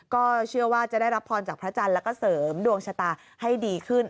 ก็เชื่อว่าจะได้รับพรจากพระจันทร์แล้วก็เสริมดวงชะตาให้ดีขึ้น